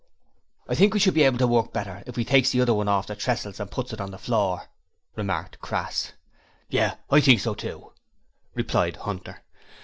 'I think we shall be able to work better if we takes the other one orf the trussels and puts it on the floor,' remarked Crass. 'Yes, I think so, too,' replied Hunter.